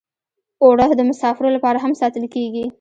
اوړه د مسافرو لپاره هم ساتل کېږي